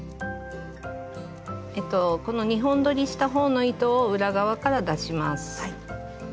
この２本どりした方の糸を裏側から出します。